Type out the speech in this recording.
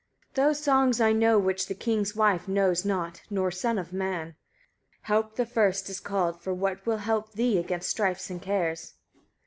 148. Those songs I know which the king's wife knows not nor son of man. Help the first is called, for that will help thee against strifes and cares.